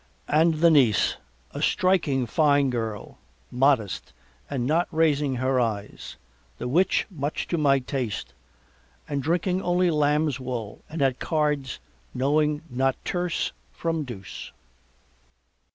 And the niece a striking fine girl modest and not raising her eyes the which much to my taste and drinking only lambs wool and at cards knowing not tierce from deuce.